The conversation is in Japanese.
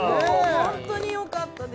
ホントによかったです